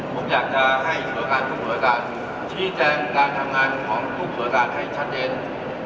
ผมจะให้ประกันทุกประกันชี้แจงการทำงานสุของประกันให้ชะเดียน